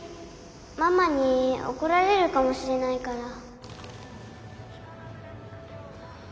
ママに怒られるかもしれないから。